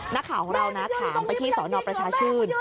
นักข่าวของเรานะถามไปที่สนประชาชื่น